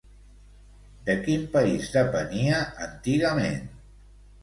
De quin país depenia antigament?